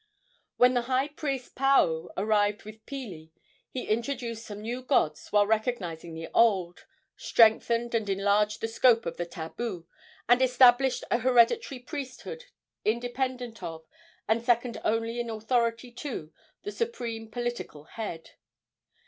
When the high priest Paao arrived with Pili he introduced some new gods while recognizing the old, strengthened and enlarged the scope of the tabu, and established an hereditary priesthood independent of, and second only in authority to, the supreme political head.